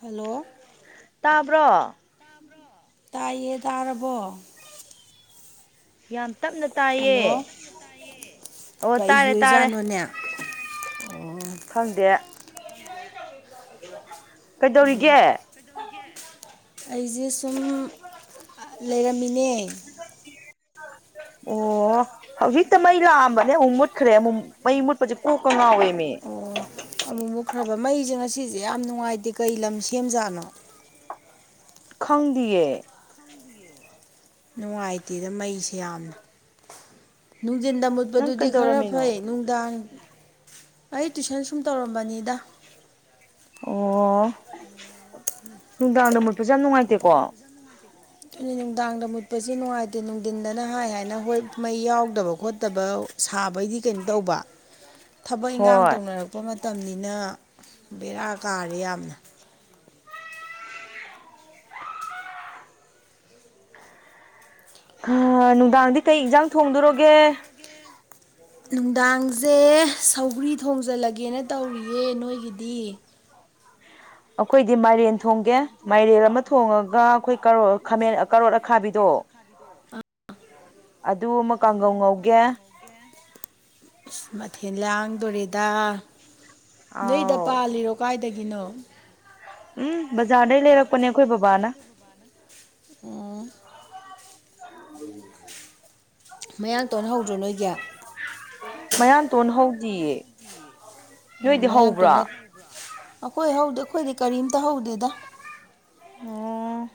hello ꯇꯥꯕ꯭ꯔꯣ ꯇꯥꯏꯌꯦ ꯇꯥꯔꯕꯣ ꯌꯥꯝ ꯇꯞꯅ ꯇꯥꯏꯌꯦ ꯑꯣ ꯇꯥꯔꯦ ꯇꯥꯔꯦ ꯈꯪꯗꯦ ꯀꯩꯗꯧꯔꯤꯒꯦ ꯂꯩꯔꯝꯃꯤꯅꯦ ꯑꯣ ꯍꯧꯖꯤꯛꯇ ꯃꯩ ꯂꯥꯛꯑꯝꯕꯅꯦ ꯑꯃꯨꯛ ꯃꯨꯠꯈ꯭ꯔꯦ ꯑꯃꯨꯛ ꯃꯩ ꯃꯨꯠꯄꯁꯦ ꯀꯣꯛꯀ ꯉꯥꯎꯋꯦꯃꯤ ꯇ [inaudible] ꯃꯨꯠꯈ꯭ꯔꯕ ꯃꯩꯁꯦ ꯉꯁꯤꯁꯦ ꯌꯥꯝ ꯅꯨꯡꯉꯥꯏꯇꯦ ꯀꯩ ꯂꯝ ꯁꯦꯝꯖꯥꯠꯅꯣ ꯈꯪꯗꯤꯌꯦ ꯅꯨꯡꯉꯥꯏꯇꯦꯗ ꯃꯩꯁꯦ ꯌꯥꯝꯅ ꯅꯨꯡꯊꯤꯟꯗ ꯃꯨꯠꯄꯗꯨꯗꯤ ꯈꯔ ꯐꯩ ꯅꯨꯡꯗꯥꯡ ꯑꯩ ꯇꯨꯏꯁꯟ ꯁꯨꯝ ꯇꯧꯔꯝꯕꯅꯤꯗ ꯑꯣ ꯅꯨꯡꯗꯥꯡꯗ ꯃꯨꯠꯄꯁꯦ ꯌꯥꯝ ꯅꯨꯡꯉꯥꯏꯇꯦꯀꯣ ꯅꯨꯡꯗꯥꯡꯗ ꯃꯨꯠꯄꯁꯤ ꯅꯨꯡꯉꯥꯏꯇꯦ ꯅꯨꯡꯊꯤꯟꯗꯅ ꯍꯥꯏ ꯍꯥꯏꯅ ꯍꯣꯏ ꯃꯩ ꯌꯥꯎꯗꯕ ꯈꯣꯠꯇꯕ ꯁꯥꯕꯩꯗꯤ ꯀꯩꯅꯣ ꯇꯧꯕ ꯊꯕꯛ ꯏꯟꯈꯥꯡ ꯇꯧꯅꯔꯛꯄ ꯃꯇꯝꯅꯤꯅ ꯕꯦꯔꯥ ꯀꯥꯔꯦ ꯌꯥꯝꯅ ꯑꯥ ꯅꯨꯡꯗꯥꯡꯗꯤ ꯀꯩ ꯏꯟꯖꯥꯡ ꯊꯣꯡꯗꯣꯔꯒꯦ ꯅꯨꯡꯗꯥꯡꯁꯦ ꯁꯧꯒ꯭ꯔꯤ ꯊꯣꯡꯖꯤꯜꯂꯒꯦꯅ ꯇꯧꯔꯤꯌꯦ ꯅꯣꯏꯒꯤꯗꯤ ꯑꯩꯈꯣꯏꯗꯤ ꯃꯥꯏꯔꯦꯟ ꯊꯣꯡꯒꯦ ꯃꯥꯏꯔꯦꯟ ꯑꯃ ꯊꯣꯡꯉꯒ ꯑꯩꯈꯣꯏ ꯈꯥꯃꯦꯟ ꯀꯔꯣꯔꯠ ꯑꯈꯥꯕꯤꯗꯣ ꯑꯗꯨ ꯑꯃ ꯀꯪꯍꯧ ꯉꯧꯒꯦ ꯑꯁ ꯊꯦꯟꯂꯥꯡꯗꯣꯔꯦꯗ ꯅꯣꯏꯗ ꯄꯥꯜꯂꯤꯔꯣ ꯀꯥꯏꯗꯒꯤꯅꯣ ꯎꯝ ꯕꯖꯥꯔꯗꯩ ꯂꯩꯔꯛꯄꯅꯦ ꯑꯩꯈꯣꯏ ꯕꯕꯥꯅ ꯑꯣ ꯃꯌꯥꯡ ꯇꯣꯟ ꯍꯧꯗ꯭ꯔꯣ ꯅꯣꯏꯒꯤ ꯃꯌꯥꯝ ꯇꯣꯟꯅꯥ ꯍꯧꯗꯤꯌꯦ ꯅꯣꯏꯗꯤ ꯍꯧꯕ꯭ꯔꯥ ꯑꯩꯈꯣꯏ ꯍꯧꯗꯦ ꯑꯩꯈꯣꯏꯗꯤ ꯀꯔꯤꯝꯇ ꯍꯧꯗꯦꯗ ꯎꯝ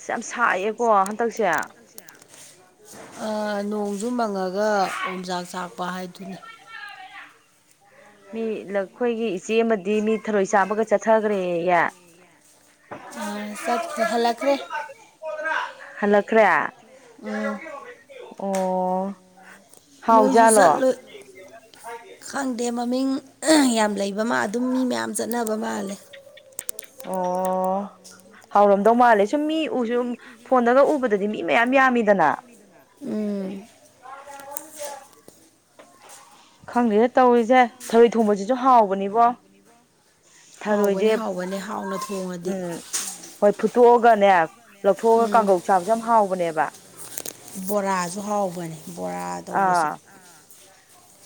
ꯁꯤ ꯌꯥꯝ ꯁꯥꯏꯌꯦꯀꯣ ꯍꯟꯗꯛꯁꯦ ꯑꯥ ꯅꯣꯡꯖꯨ ꯃꯪꯉꯒ ꯑꯣꯜꯆꯥꯛ ꯆꯥꯛꯄ ꯍꯥꯏꯗꯨꯅꯤ ꯃꯤ ꯂꯈꯣꯏꯒꯤ ꯏꯁ ꯑꯈꯣꯏꯒꯤ ꯏꯆꯦ ꯑꯃꯗꯤ ꯃꯤ ꯊꯔꯣꯏ ꯆꯥꯕꯒ ꯆꯠꯊꯒ꯭ꯔꯦꯌꯦ ꯑꯥ ꯆꯠꯈ꯭ꯔꯦ ꯍꯜꯂꯛꯈ꯭ꯔꯦ ꯍꯜꯂꯛꯈ꯭ꯔꯦ ꯑꯣ ꯅꯣꯏꯖꯨ ꯆꯠꯂꯣ ꯈꯪꯗꯦ ꯃꯃꯤꯡ ꯌꯥꯝ ꯂꯩꯕ ꯃꯥ ꯑꯗꯨꯝ ꯃꯤ ꯃꯌꯥꯝ ꯆꯠꯅꯕ ꯃꯥꯜꯂꯦ ꯑꯣ ꯍꯥꯎꯔꯝꯗꯧ ꯃꯥꯜꯂꯦ ꯁꯨꯝ ꯃꯤ ꯎꯁꯨ ꯎꯝ ꯐꯣꯟꯗꯒ ꯎꯕꯗꯗꯤ ꯃꯤ ꯃꯌꯥꯝ ꯌꯥꯝꯃꯤꯗꯅ ꯎꯝ [unintelligible] ꯈꯪꯗꯦꯅ ꯇꯧꯔꯤꯖꯦ ꯊꯔꯣꯏ ꯊꯣꯡꯕꯁꯤꯖꯨ ꯍꯥꯎꯕꯅꯤꯕꯣ ꯍꯥꯎꯕꯅꯦ ꯍꯥꯎꯕꯅꯦ ꯍꯥꯎꯅ ꯊꯣꯡꯉꯗꯤ ꯐꯨꯠꯇꯣꯛꯑꯒꯅꯦ ꯂꯧꯊꯣꯛꯑꯒ ꯀꯥꯡꯒꯧ ꯆꯥꯕꯖꯦ ꯌꯥꯝ ꯍꯥꯎꯕꯅꯦꯕ ꯕꯣꯔꯥꯖꯨ ꯍꯥꯎꯕꯅꯦ ꯕꯣꯔꯥ ꯇꯧꯕꯁꯨ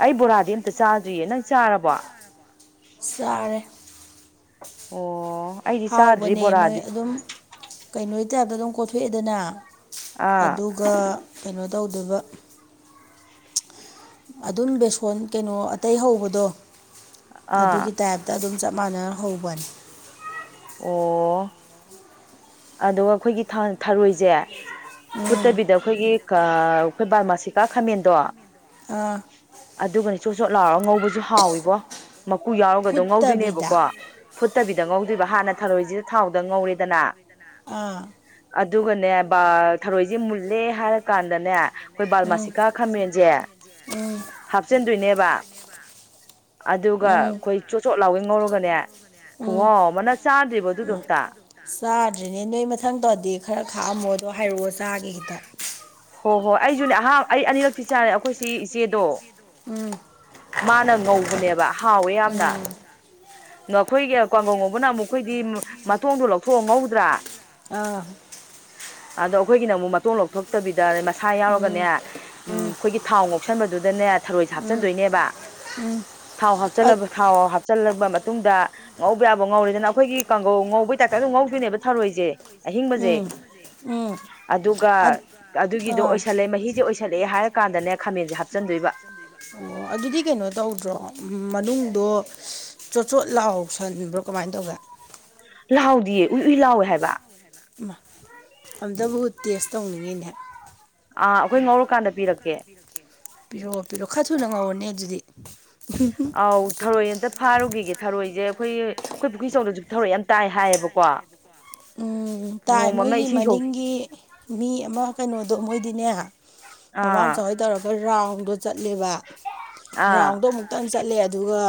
ꯑꯩ ꯕꯣꯔꯥꯗꯤ ꯑꯝꯇ ꯆꯥꯗ꯭ꯔꯤꯌꯦ ꯅꯪ ꯆꯥꯔꯕꯣ ꯑꯣ ꯑꯩꯗꯤ ꯆꯥꯗ꯭ꯔꯤ ꯕꯣꯔꯥꯗꯤ ꯀꯩꯅꯣ ꯇꯥꯏꯞꯇ ꯑꯗꯨꯝ ꯀꯣꯊꯣꯛꯑꯦꯗꯅ ꯑꯗꯨꯒ ꯀꯩꯅꯣ ꯇꯧꯗꯨꯏꯕ [unintelligible] ꯑꯗꯨꯝ ꯕꯦꯁꯣꯟ ꯀꯩꯅꯣ ꯑꯇꯩ ꯍꯧꯕꯗꯣ ꯑꯗꯨꯒꯤ ꯇꯥꯏꯞꯇ ꯑꯗꯨꯝ ꯆꯞ ꯃꯥꯟꯅ ꯍꯧꯕꯅꯤ ꯑꯣ ꯑꯗꯨꯒ ꯑꯈꯣꯏꯒꯤ ꯊ ꯊꯔꯣꯏꯖꯦ ꯐꯨꯠꯇꯕꯤꯗ ꯑꯈꯣꯏꯒꯤ ꯀꯥ ꯑꯈꯣꯏ ꯕꯥꯔꯃꯥꯁꯤꯀꯥ ꯈꯥꯃꯦꯟꯗꯣ ꯑꯗꯨꯒꯅꯦ ꯆꯣꯠ ꯆꯣꯠ ꯂꯥꯎꯔ ꯉꯧꯕꯖꯨ ꯍꯥꯎꯋꯤꯕꯣ ꯃꯀꯨ ꯌꯥꯎꯔꯒ ꯗꯣ ꯉꯧꯗꯣꯏꯅꯦꯕꯀꯣ ꯐꯨꯠꯇꯕꯤꯗ ꯉꯧꯗꯨꯏꯕ ꯍꯥꯟꯅ ꯊꯔꯣꯏꯖꯤ ꯊꯥꯎꯗ ꯉꯧꯔꯦꯗꯅ ꯑꯥ ꯑꯗꯨꯒꯅꯦ ꯕꯥ ꯊꯔꯣꯏꯖꯤ ꯃꯨꯜꯂꯦ ꯍꯥꯏꯔꯀꯥꯟꯗꯅꯦ ꯑꯈꯣꯏ ꯕꯥꯔꯃꯥꯁꯤꯀꯥ ꯈꯥꯃꯦꯟꯖꯦ ꯍꯥꯞꯆꯤꯟꯗꯨꯏꯅꯦꯕ ꯑꯗꯨꯒ ꯑꯈꯣꯏ ꯆꯣꯠ ꯆꯣꯠ ꯂꯥꯎꯉꯩ ꯉꯧꯔꯒꯅꯦ ꯈꯨꯍꯥꯎ ꯑꯃ ꯅ ꯆꯥꯗ꯭ꯔꯤꯕꯣ ꯑꯗꯨꯗꯣ ꯑꯝ ꯆꯥꯗ꯭ꯔꯤꯅꯦ ꯅꯣꯏ ꯃꯊꯪ ꯇꯧꯔꯗꯤ ꯈꯔ ꯈꯥꯛꯑꯝꯃꯣ ꯑꯗꯣ ꯍꯥꯏꯔꯛꯑꯣ ꯆꯥꯒꯦ ꯈꯤꯇ ꯍꯣ ꯍꯣꯏ ꯑꯩꯖꯨꯅꯦ ꯑꯍꯥ ꯑꯩ ꯑꯅꯤꯔꯛꯇꯤ ꯆꯥꯔꯦ ꯑꯈꯣꯏ ꯁꯤ ꯏꯆꯦꯗꯣ ꯃꯥꯅ ꯉꯧꯕꯅꯦꯕ ꯍꯥꯎꯋꯦ ꯌꯥꯝꯅ ꯅꯈꯣꯏꯒꯤ ꯀꯥꯡꯒꯧ ꯉꯧꯕꯅ ꯑꯃꯨꯛ ꯑꯩꯈꯣꯏꯗꯤ ꯃ ꯃꯇꯣꯡꯗꯣ ꯂꯧꯊꯣꯛꯑ ꯉꯧꯗ꯭ꯔꯥ ꯑꯥ [inaudible] ꯑꯗꯣ ꯑꯩꯈꯣꯏꯒꯤꯅ ꯑꯃꯨꯛ ꯃꯇꯣꯟ ꯂꯧꯊꯣꯛꯇꯕꯤꯗ ꯃꯁꯥ ꯌꯥꯎꯔꯒꯅꯦ ꯎꯝ ꯑꯩꯈꯣꯏꯒꯤ ꯊꯥꯎ ꯉꯧꯁꯟꯕꯗꯨꯗ ꯅꯦ ꯊꯔꯣꯏꯖꯦ ꯍꯥꯞꯆꯤꯟꯗꯨꯏꯅꯦꯕ ꯊꯥꯎ ꯍꯥꯞꯆꯜꯂꯕ ꯊꯥꯎ ꯆꯜꯂꯕ ꯃꯇꯨꯡꯗ ꯉꯧꯕ ꯌꯥꯕ ꯉꯧꯔꯦꯗꯅ ꯑꯩꯈꯣꯏꯒꯤ ꯀꯥꯡꯒꯧ ꯉꯧꯕꯩ ꯇꯥꯏꯞꯇ ꯑꯗꯨꯝ ꯉꯧꯗꯣꯏꯅꯦꯕ ꯊꯥꯔꯣꯏꯖꯦ ꯑꯍꯤꯡꯕꯖꯦ ꯑꯗꯨꯒ ꯑꯗꯨꯒꯤꯗꯣ ꯑꯣꯏꯁꯜꯂꯦ ꯃꯍꯤꯖꯦ ꯑꯣꯏꯁꯜꯂꯛꯑꯦ ꯍꯥꯏꯔꯀꯥꯟꯗꯅꯦ ꯈꯥꯃꯦꯟꯖꯦ ꯍꯥꯞꯆꯤꯟꯗꯨꯏꯕ ꯑꯗꯨꯗꯤ ꯀꯩꯅꯣ ꯇꯧꯗ꯭ꯔꯣ ꯎꯝ ꯃꯅꯨꯡꯗꯣ ꯆꯣꯠ ꯆꯣꯠ ꯂꯥꯎꯁꯟꯕ꯭ꯔꯣ ꯀꯃꯥꯏꯟ ꯇꯧꯒꯦ ꯂꯥꯎꯗꯤꯌꯦ ꯎꯏ ꯎꯏ ꯂꯥꯎꯋꯦ ꯍꯥꯏꯕ ꯑꯝꯇꯕꯨ ꯇꯦꯁ ꯇꯧꯅꯤꯡꯉꯤꯅꯦ ꯑꯥ ꯑꯩꯈꯣꯏ ꯉꯧꯔꯀꯥꯟꯗ ꯄꯤꯔꯛꯀꯦ ꯄꯤꯔꯣ ꯑꯥꯎ ꯊꯔꯣꯏ ꯑꯝꯇ ꯐꯥꯔꯨꯈꯤꯒꯦ ꯊꯔꯣꯏꯁꯦ ꯑꯩꯈꯣꯏꯒꯤ ꯑꯩꯈꯣꯏ ꯄꯨꯈ꯭ꯔꯤ ꯆꯧꯗꯁꯨ ꯊꯔꯣꯏ ꯌꯥꯝ ꯇꯥꯏ ꯍꯥꯏꯌꯦꯕꯀꯣ ꯎꯝ ꯇꯥꯏ ꯃꯣꯏꯒꯤ ꯃꯅꯤꯡꯒꯤ ꯃꯤ ꯑꯃ ꯀꯩꯅꯣꯗꯣ ꯃꯣꯏꯗꯤꯅꯦ ꯃꯃꯥꯡ ꯆꯥ ꯍꯣꯏ ꯇꯧꯔꯒ ꯔꯥꯎꯟꯗꯣ ꯆꯠꯂꯦꯕ ꯔꯥꯎꯟꯗꯣ ꯑꯃꯨꯛꯇꯪ ꯆꯠꯂꯦ ꯑꯗꯨꯒ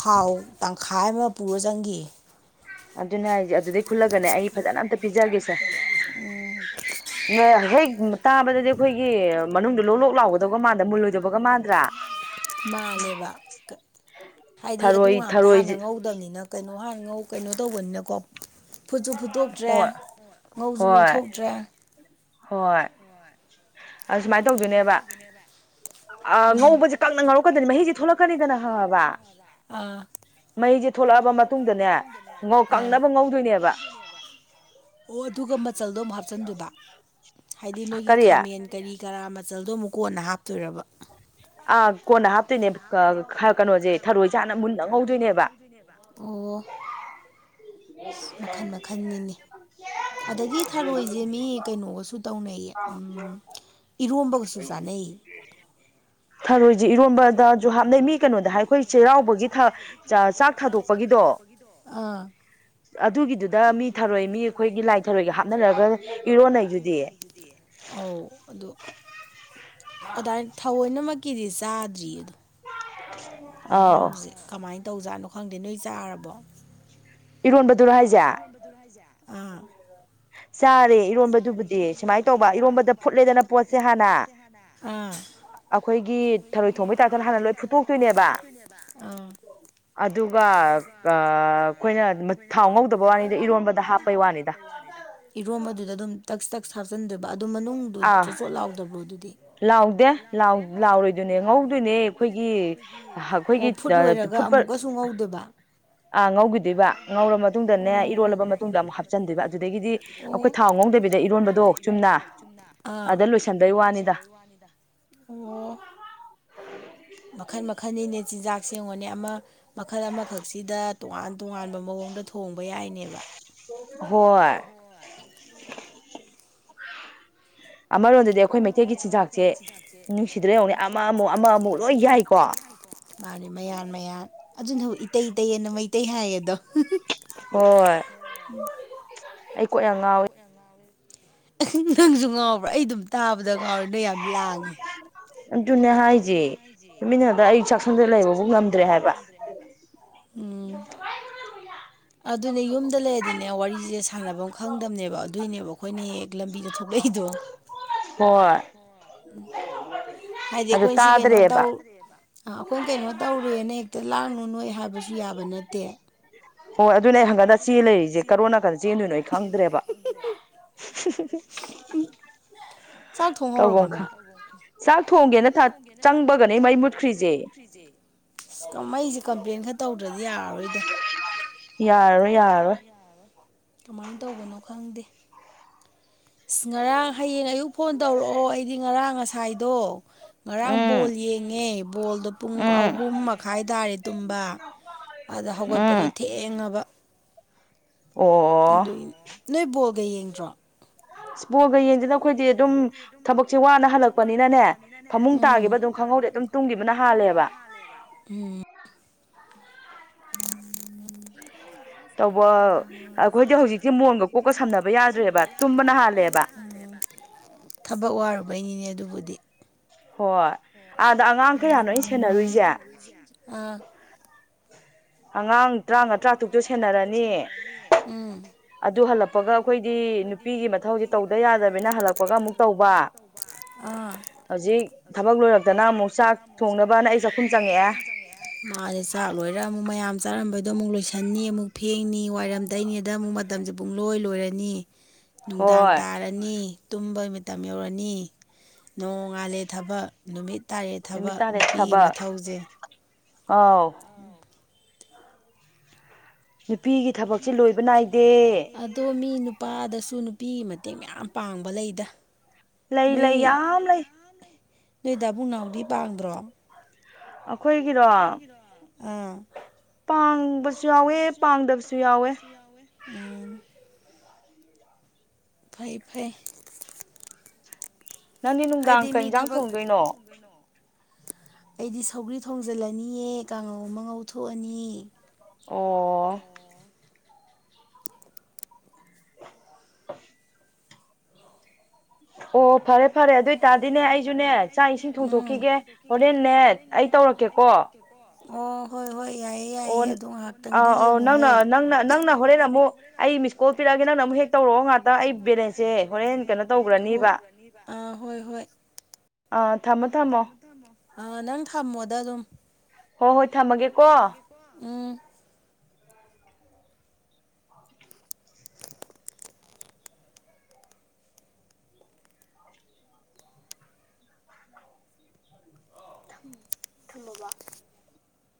ꯈꯥꯎ ꯇꯪꯈꯥꯏ ꯑꯃ ꯄꯨꯔ ꯆꯪꯒꯤꯌ ꯑꯗꯨꯅ ꯍꯥꯏꯖꯦ ꯑꯗꯨꯗꯩ ꯈꯨꯂꯛ [unintelligible] ꯎꯝ ꯇꯥꯕꯗꯗꯤ ꯑꯩꯈꯣꯏꯒꯤ ꯃꯅꯨꯡꯗꯣ ꯂꯣꯛ ꯂꯣꯛ ꯂꯥꯎꯒꯗꯧꯕ ꯃꯥꯟꯗ ꯃꯨꯜꯂꯣꯏꯗꯕꯒ ꯃꯥꯟ ꯃꯥꯜꯂꯦꯕ ꯀ ꯍꯥꯏꯗꯤ ꯑꯗꯨ ꯉꯥꯛꯇ ꯍꯥꯟꯅ ꯉꯧꯗꯝꯅꯤꯅ ꯀꯩꯅꯣ ꯍꯥꯟꯅ ꯉꯧ ꯀꯩꯅꯣ ꯇꯧꯕꯅꯤꯅꯀꯣ ꯐꯨꯠꯁꯨ ꯐꯨꯠꯇꯣꯛꯇ꯭ꯔꯦ ꯉꯧꯁꯨ ꯉꯧꯊꯣꯛꯇ꯭ꯔꯦ ꯍꯣꯏ ꯑꯗꯨ ꯁꯨꯃꯥꯏ ꯇꯧꯗꯣꯏꯅꯦꯕ ꯑꯥ ꯉꯧꯕꯁꯦ ꯀꯡꯅ ꯉꯧꯔꯛꯀꯗꯣꯏꯅꯦ ꯃꯍꯤꯁꯦ ꯊꯣꯛꯂꯛ ꯑꯥ ꯃꯍꯤꯁꯦ ꯊꯣꯛꯂꯛꯑꯕ ꯃꯇꯨꯡꯗꯅꯦ ꯑ ꯉꯧ ꯀꯡꯅꯕ ꯉꯧꯗꯣꯏꯅꯦꯕ ꯑꯣ ꯑꯗꯨꯒ ꯃꯠ ꯆꯜꯗꯣ ꯑꯃꯨꯛ ꯍꯥꯞꯆꯟꯗꯨꯏꯕ ꯍꯥꯏꯗꯤ ꯅꯣꯏꯒꯤ ꯈꯥꯃꯦꯟ ꯀꯔꯤ ꯀꯔꯥ ꯃꯆꯜꯗꯣ ꯑꯃꯨꯛ ꯀꯣꯟꯅ ꯍꯥꯞ ꯇꯣꯏꯔꯕ ꯀꯣꯟꯅ ꯍꯥꯞꯇꯣꯏꯅꯦꯕ ꯀ ꯈ ꯀꯩꯅꯣꯁꯦ ꯊꯔꯣꯏꯁꯦ ꯍꯥꯟꯅ ꯃꯨꯟꯅ ꯉꯧꯗꯣꯏꯅꯦꯕ ꯎꯝ ꯑꯁ ꯃꯈꯟ ꯃꯈꯟꯅꯤꯅꯦ ꯑꯗꯒꯤ ꯊꯔꯣꯏꯁꯦ ꯃꯤ ꯀꯩꯅꯣꯒꯁꯨ ꯇꯧ ꯑ ꯌꯦ [unintelligible] ꯕꯧꯁꯨ ꯆꯥꯅꯩꯌꯦ ꯊꯔꯣꯏꯁꯦ ꯏꯔꯣꯝꯕꯗꯁꯨ ꯍꯥꯞꯅꯩ ꯃꯤ ꯀꯩꯅꯣꯗ ꯍꯥꯏ ꯑꯩꯈꯣꯏ ꯆꯩꯔꯥꯎꯕꯒꯤ ꯆꯥꯛ ꯊꯥꯗꯣꯛꯄꯒꯤꯗꯣ ꯍꯥ ꯑꯗꯨꯒꯤꯗꯨꯗ ꯃꯤ ꯊꯔꯣꯏ ꯃꯤ ꯑꯩꯈꯣꯏꯒꯤ ꯂꯥꯏ ꯊꯔꯣꯏꯒ ꯍꯥꯞꯅꯔꯒ ꯏꯔꯣꯟꯅꯩꯗꯨꯗꯤ ꯑꯥꯎ ꯑꯗꯣ ꯑꯗꯥꯏ ꯊꯑꯣꯏꯅꯃꯛꯀꯤꯗꯤ ꯆꯥꯗ꯭ꯔꯤ ꯑꯗꯣ ꯑꯧ ꯇꯧꯖꯥꯠꯅꯣ ꯈꯪꯗꯦ ꯅꯣꯏ ꯆꯥꯔꯕꯣ ꯏꯔꯣꯟꯕ ꯏꯔꯣꯝꯕꯗꯨꯔ ꯍꯥꯏꯁꯦ [unintelligible] ꯆꯥꯔꯦ ꯏꯔꯣꯝꯕꯗꯨꯕꯨꯗꯤ ꯁꯨꯃꯥꯏꯅ ꯇꯧꯕ ꯏꯔꯣꯝꯕꯗꯨ ꯐꯨꯠꯂꯦꯗꯅ ꯄꯣꯠꯁꯦ ꯍꯥꯟꯅ ꯑꯩꯈꯣꯏꯒꯤ ꯊꯔꯣꯏ ꯊꯣꯡꯕꯩ ꯇꯥꯏꯞꯇ ꯍꯥꯟꯅ ꯂꯣꯏ ꯐꯨꯠꯇꯣꯛꯇꯣꯏꯅꯦꯕ ꯑꯗꯨꯒ ꯑ ꯑꯩꯈꯣꯏꯅ ꯊꯥꯎ ꯉꯧꯗꯕ ꯋꯥꯅꯤꯗ ꯏꯔꯣꯟꯕꯗ ꯍꯥꯞꯄ ꯏꯔꯣꯝꯕ ꯑꯗꯨꯗ ꯑꯗꯨꯝ ꯇꯛꯁ ꯇꯛꯁ ꯍꯥꯞꯆꯤꯟꯗꯣꯏꯕ ꯑꯗꯨ ꯃꯅꯨꯡꯗꯨ ꯆꯣꯠ ꯆꯣꯠ ꯂꯥꯎꯗꯕ꯭ꯔꯣ ꯑꯗꯨꯗꯤ ꯂꯥꯎꯗꯦ ꯂꯥꯎꯔꯣꯏꯗꯣꯏꯅꯦ ꯉꯧꯗꯣꯏꯅꯦ ꯑꯩꯈꯣꯏꯒꯤ ꯑꯩꯈꯣꯏꯒꯤ ꯒ ꯑꯃꯨꯛꯀꯁꯨ ꯉꯧꯗꯣꯏꯕ ꯑ ꯉꯧꯈꯤꯗꯣꯏꯕ ꯉꯧꯔ ꯃꯇꯨꯡꯗꯅꯦ ꯏꯔꯣꯜꯂꯕ ꯃꯇꯨꯡꯗ ꯑꯃꯨꯛ ꯍꯥꯞꯆꯟꯗꯣꯏꯕ ꯑꯗꯨꯗꯒꯤꯗꯤ ꯑꯩꯈꯣꯏ ꯊꯥꯎ ꯉꯧꯗꯕꯤꯗ ꯏꯔꯣꯟꯕꯗꯣ ꯆꯨꯝꯅ ꯑꯗ ꯂꯣꯏꯁꯤꯟꯕꯩ ꯋꯥꯅꯤꯗ ꯑꯣ ꯃꯈꯜ ꯃꯈꯜꯅꯤꯅꯦ ꯆꯤꯟꯖꯥꯛ ꯁꯦ ꯌꯦꯡꯎꯅꯦ ꯑꯃ ꯃꯈꯜ ꯑꯃꯈꯛꯁꯤꯗ ꯇꯣꯉꯥꯟ ꯇꯣꯉꯥꯟꯕ ꯃꯑꯣꯡꯗ ꯊꯣꯡꯕ ꯌꯥꯏꯅꯦꯕ ꯍꯣꯏ ꯑꯃꯔꯣꯝꯗꯗꯤ ꯑꯩꯈꯣꯏ ꯃꯩꯇꯩꯒꯤ ꯆꯤꯟꯖꯥꯛꯁꯦ ꯄꯨꯛꯅꯤꯡꯅꯦ ꯑꯃ ꯑꯃꯨꯛ ꯂꯣꯏ ꯌꯥꯏꯀꯣ ꯃꯥꯅꯦ ꯃꯌꯥꯟ ꯃꯌꯥꯟ ꯑꯗꯨꯅꯕꯨ ꯏꯇꯩ ꯇꯩ ꯑꯅ ꯃꯩꯇꯩ ꯍꯥꯏꯑꯗꯣ ꯍꯣꯏ ꯑꯩ ꯀꯣꯀ ꯌꯥꯝ ꯉꯥꯎꯋꯤ ꯅꯪꯁꯨ ꯉꯥꯎꯕ꯭ꯔꯥ ꯑꯩ ꯑꯗꯨꯝ ꯇꯥꯕꯗ ꯉꯥꯎꯔꯦ ꯅꯣꯏ ꯌꯥꯝ ꯂꯥꯡꯉꯦ ꯑꯗꯨꯅꯦ ꯍꯥꯏꯁꯦ ꯅꯨꯨꯃꯤꯟꯅꯗ ꯑꯩ ꯆꯥꯛ ꯑꯩ ꯑꯩ ꯆꯥꯛꯁꯪꯗ ꯂꯩꯕꯕꯨ ꯉꯝꯗ꯭ꯔꯦ ꯍꯥꯏꯕ ꯎꯝ ꯑꯗꯨꯅꯦ ꯌꯨꯝꯗ ꯂꯩꯔꯗꯤꯅꯦ ꯋꯥꯔꯤꯁꯦ ꯁꯥꯟꯅꯐꯝ ꯈꯪꯗꯕꯅꯦꯕ ꯑꯗꯨꯏꯅꯦꯕ ꯑꯩꯈꯣꯏꯅ ꯍꯦꯛ ꯂꯝꯕꯤꯗ ꯊꯣꯛꯂꯛꯏꯗꯣ ꯍꯣꯏ ꯍꯥꯏꯗꯤ ꯑꯩꯈꯣꯏ ꯁꯤ ꯀꯩꯅꯣ ꯇꯧ ꯑꯩꯈꯣꯏꯅ ꯀꯩꯅꯣ ꯇꯧꯔꯦꯅ ꯅ ꯍꯦꯛꯇ ꯂꯥꯡꯂꯨ ꯅꯣꯏ ꯍꯥꯏꯕꯁꯨ ꯌꯥꯕ ꯅꯠꯇꯦ ꯍꯣꯏ ꯑꯗꯨꯅꯦ ꯑꯩ ꯍꯪꯒꯠ ꯍꯟꯗ ꯆꯦꯟ ꯂꯩꯔꯤꯁꯦ ꯀꯔꯣꯝ ꯅꯥꯀꯟꯗ ꯆꯦꯟꯗꯣꯏꯅꯣ ꯑꯩ ꯈꯪꯗ꯭ꯔꯦꯕ [inaudible] ꯆꯥꯛ ꯊꯣꯡ ꯍꯧꯔꯕ ꯅꯣꯏ ꯆꯥꯛ ꯊꯣꯡꯒꯦꯅ ꯆꯪꯕꯒꯅꯦ ꯃꯩ ꯃꯨꯠꯈ꯭ꯔꯤꯁꯦ ꯑꯁ ꯃꯩꯁꯦ ꯀꯝꯄ꯭ꯂꯦꯟ ꯈꯔ ꯇꯧꯗ꯭ꯔꯗꯤ ꯌꯥꯔꯔꯣꯏꯗ ꯌꯥꯔꯣꯏ ꯌꯥꯔꯣꯏ ꯀꯃꯥꯏꯅ ꯇꯧꯕꯅꯣ ꯈꯪꯗꯦ ꯑꯁ ꯉꯔꯥꯡ ꯍꯌꯦꯡ ꯑꯌꯨꯛ ꯐꯣꯟ ꯇꯧꯔꯛꯑꯣ ꯑꯩꯗꯤ ꯉꯔꯥꯡ ꯉꯁꯥꯏꯗꯣ ꯉꯔꯥꯡ ꯕꯣꯜ ꯌꯦꯡꯉꯦ ꯕꯣꯜꯗꯣ ꯄꯨꯡ ꯑꯍꯨꯝ ꯃꯈꯥꯏ ꯇꯥꯔꯦ ꯇꯨꯝꯕ ꯑꯗ ꯍꯧꯒꯠꯄꯗꯣ ꯊꯦꯡꯉꯕ ꯑꯗꯨꯏ ꯅꯣꯏ ꯕꯣꯜꯒ ꯌꯦꯡꯗ꯭ꯔꯣ ꯏꯁ ꯕꯣꯜꯒ ꯌꯦꯡꯗꯦꯗ ꯑꯩꯈꯣꯏꯗꯤ ꯑꯗꯨꯝ ꯊꯕꯛꯁꯦ ꯋꯥꯅ ꯍꯜꯂꯛꯄꯅꯤꯅꯅꯦ ꯊꯣꯛꯄꯅꯤꯅꯅꯦ ꯄꯨꯡ ꯇꯥꯈꯤꯕ ꯑꯗꯨꯝ ꯈꯪꯍꯧꯗꯦ ꯑꯗꯨꯝ ꯇꯨꯝꯈꯤꯕꯅ ꯍꯥꯜꯂꯦꯕ [unintelligible] [unintelligible] [inaudible] ꯑꯩꯈꯣꯏꯗꯤ ꯍꯧꯖꯤꯛꯇꯤ ꯃꯣꯟꯒ ꯀꯣꯛꯀ ꯁꯝꯅꯕ ꯌꯥꯗ꯭ꯔꯦꯕ ꯇꯨꯝꯦꯕ ꯊꯕꯛ ꯋꯥꯔꯨꯕꯩꯅꯤꯅꯦ ꯑꯗꯨꯕꯨꯗꯤ ꯍꯣꯏ ꯑꯥꯗ ꯑꯉꯥꯡ ꯀꯌꯥꯅꯣ ꯑꯩꯅ ꯁꯦꯟꯅꯔꯨꯏꯁꯦ ꯑꯉꯥꯡ ꯇꯔꯥꯉꯥ ꯇꯔꯥ ꯇꯨꯛꯇꯨ ꯁꯦꯟꯅꯔꯅꯤ ꯑꯗꯨ ꯍꯜꯂꯛꯄꯒ ꯑꯩꯈꯣꯏꯗꯤ ꯅꯨꯄꯤꯒꯤ ꯃꯊꯧꯁꯦ ꯇꯧꯗ ꯌꯥꯗꯕꯅꯤꯅ ꯍꯜꯂꯛꯄꯒ ꯑꯃꯨꯛ ꯇꯧꯕ ꯍꯧꯖꯤꯛ ꯊꯕꯛ ꯂꯣꯏꯔꯛꯇꯅ ꯑꯃꯨꯛ ꯆꯥꯛ ꯊꯣꯡꯅꯕꯅ ꯑꯩ ꯆꯥꯛꯈꯨꯝ ꯆꯪꯉꯛꯑꯦ ꯃꯥꯅꯤ ꯆꯥꯛ ꯂꯣꯏꯔꯒ ꯑꯃꯨꯛ ꯃꯌꯥꯝ ꯆꯥꯔꯝꯕꯩꯗꯣ ꯑꯃꯨꯛ ꯂꯣꯏꯁꯤꯟꯅꯤ ꯑꯃꯨꯛ ꯐꯦꯡꯅꯤ ꯋꯥꯏꯔꯝ ꯇꯩꯅꯤꯗ ꯑꯃꯨꯛ ꯃꯇꯝꯁꯦ ꯄꯨꯡ ꯂꯣꯏ ꯂꯣꯏꯔꯅꯤ ꯅꯨꯡꯗꯥꯡ ꯇꯥꯔꯅꯤ ꯇꯨꯝꯕꯩ ꯃꯇꯝ ꯌꯧꯔꯅꯤ ꯅꯣꯡꯉꯥꯜꯂꯦ ꯊꯕꯛ ꯅꯨꯃꯤꯠ ꯇꯥꯔꯦ ꯊꯕꯛ ꯅꯨꯄꯤꯒꯤ ꯃꯊꯧꯁꯦ ꯑꯥ [inaudible] ꯑꯗꯣ ꯃꯤ ꯅꯨꯄꯥꯗꯁꯨ ꯁꯨ ꯅꯨꯄꯤꯒꯤ ꯃꯇꯦꯡ ꯃꯌꯥꯝ ꯄꯥꯡꯕ ꯂꯩꯗ ꯂꯩ ꯂꯩ ꯌꯥꯝ ꯂꯩ ꯅꯣꯏ ꯗ ꯕꯨꯡꯅꯥꯎꯗꯤ ꯄꯥꯡꯗ꯭ꯔꯣ ꯑ ꯑꯈꯣꯏꯒꯤꯔꯣ ꯑꯥ ꯄꯥꯡꯕꯁꯨ ꯌꯥꯎꯋ ꯄꯥꯡꯗꯕꯁꯨ ꯌꯥꯎꯋꯦ ꯐꯩ ꯐꯩ ꯍꯥꯏꯗꯤ ꯃꯤ ꯊꯕꯛ ꯑꯩꯗꯤ ꯁꯧꯒ꯭ꯔꯤ ꯊꯣꯡꯖꯤꯜꯂꯅꯤꯑ ꯀꯥꯡꯉꯧ ꯑꯃ ꯉꯧ ꯊꯣꯛꯑꯅꯤ ꯑꯣ ꯑꯣ ꯐꯔꯦ ꯐꯔꯦ ꯑꯗꯨ ꯇꯔꯗꯤꯅꯦ ꯑꯩꯁꯨꯅꯦ ꯆꯥꯛ ꯏꯁꯤꯡ ꯊꯣꯡꯗꯣꯛꯈꯤꯒꯦ ꯍꯣꯔꯦꯟꯅꯦ ꯑꯩ ꯇꯧꯔꯛꯀꯦꯀꯣ ꯑꯣ ꯍꯣꯏ ꯍꯣꯏ ꯌꯥꯏꯌꯦ ꯌꯥꯏꯌꯦ ꯑꯗꯣ ꯉꯥꯏꯍꯥꯛꯇꯪꯗꯤ ꯌꯦꯡꯉꯣꯍꯦ ꯑꯦ ꯅꯪ ꯑꯃꯨꯛ ꯍꯦꯛ ꯇꯧꯔꯛꯑꯣ ꯉꯥꯛꯇꯪ ꯑꯩ ꯕꯦꯂꯦꯡꯁꯦ ꯍꯣꯔꯦꯟ ꯂꯣꯏꯈꯅꯤꯕ ꯍꯣ ꯑ ꯍꯣꯏ ꯍꯣꯏ ꯑ ꯊꯝꯃꯣ ꯊꯝꯃꯣ ꯑꯥ ꯅꯪ ꯊꯝꯃꯣꯗ ꯑꯗꯨꯝ ꯍꯣꯏ ꯍꯣꯏ ꯊꯝꯃꯒꯦ ꯀꯣ ꯊꯝ ꯊꯝꯃꯕ